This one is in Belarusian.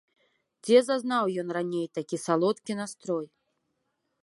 Дзе зазнаў ён раней такі салодкі настрой?